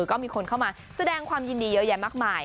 ก็มีคนเข้ามาแสดงความยินดีเยอะแยะมากมาย